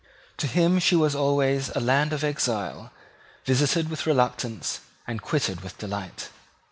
To him she was always a land of exile, visited with reluctance and quitted with delight.